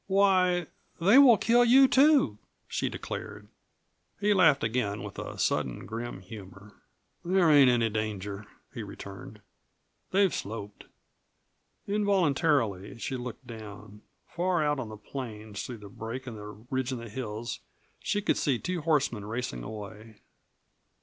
"Why, they will kill you, too!" she declared. He laughed again, with a sudden grim humor. "There ain't any danger," he returned. "They've sloped." Involuntarily she looked down. Far out on the plains, through the break in the ridge of hills, she could see two horsemen racing away.